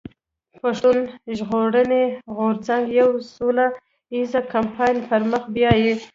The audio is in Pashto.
پښتون ژغورني غورځنګ يو سوله ايز کمپاين پر مخ بيايي.